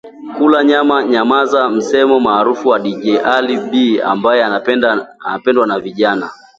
Kula nyama nyamaza! msemo maarufu wa Dj AllyB ambaye anapendwa na vijana.